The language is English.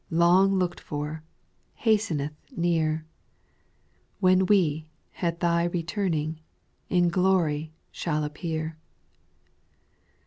Long looked for, hasteth near, When we, at Thy returning, In glory shall appear.